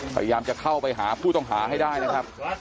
พยายามจะเข้าไปหาผู้ต้องหาให้ได้นะครับ